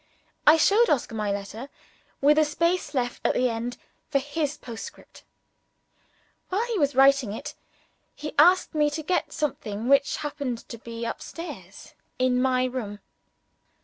I showed Oscar my letter with a space left at the end for his postscript. While he was writing it, he asked me to get something which happened to be up stairs in my room.